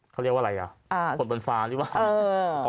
เขาเรียกว่าอะไรอ่ะคนบนฟ้าหรือเปล่า